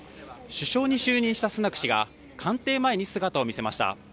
首相に就任したスナク氏が官邸前に姿を見せました。